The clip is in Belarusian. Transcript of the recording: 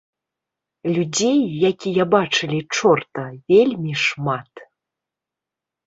Людзей, якія бачылі чорта, вельмі шмат.